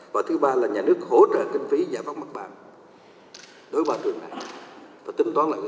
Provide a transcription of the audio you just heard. và thứ ba là nhà nước hỗ trợ kinh phí giải phóng mặt bằng đối với ba trường này và tính toán lại